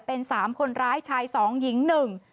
เป็นสามคนร้ายชายสองหญิงหนึ่ง